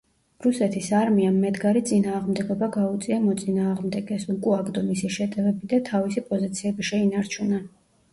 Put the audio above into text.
რუსეთის არმიამ მედგარი წინააღმდეგობა გაუწია მოწინააღმდეგეს, უკუაგდო მისი შეტევები და თავისი პოზიციები შეინარჩუნა.